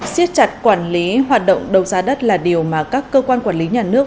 siết chặt quản lý hoạt động đấu giá đất là điều mà các cơ quan quản lý nhà nước